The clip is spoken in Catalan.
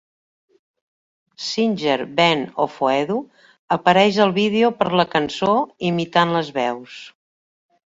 Singer Ben Ofoedu apareix al vídeo per la cançó imitant les veus.